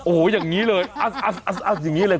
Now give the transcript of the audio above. โอ้โหอย่างนี้เลยอัดอย่างนี้เลย